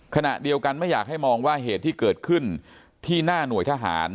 ขณะเดียวกันไม่อยากให้มองว่าเหตุที่เกิดขึ้นที่หน้าหน่วยทหาร